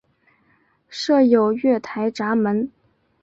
设有月台闸门。